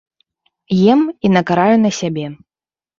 Ем і накараю на сябе.